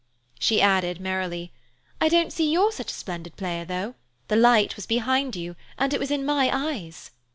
She added merrily, "I don't see you're such a splendid player, though. The light was behind you, and it was in my eyes."